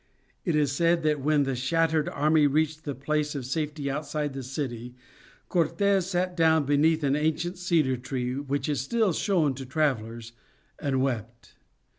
It is said that when the shattered army reached a place of safety outside the city, Cortes sat down beneath an ancient cedar tree which is still shown to travellers, and wept.